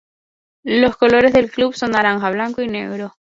Los colores del club son naranja, blanco y negro.